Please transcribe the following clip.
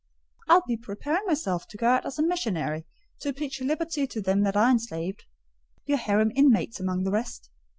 "I'll be preparing myself to go out as a missionary to preach liberty to them that are enslaved—your harem inmates amongst the rest.